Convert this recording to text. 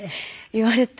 言われて。